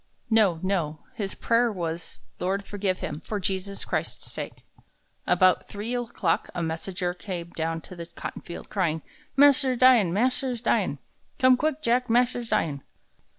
No, no! His prayer was, "Lord, forgive him, for Jesus Christ's sake." About three o'clock, a messenger came down to the cotton field, crying: "Mas'r dyin'! Mas'r's dyin'! Come quick, Jack. Mas'r's dyin'!"